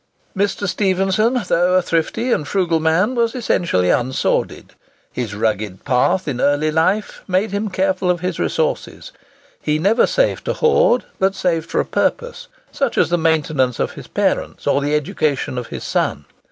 Mr. Stephenson, though a thrifty and frugal man, was essentially unsordid. His rugged path in early life made him careful of his resources. He never saved to hoard, but saved for a purpose, such as the maintenance of his parents or the education of his son.